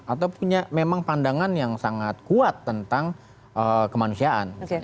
atau punya memang pandangan yang sangat kuat tentang kemanusiaan